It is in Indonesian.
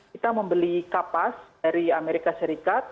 kita membeli kapas dari amerika serikat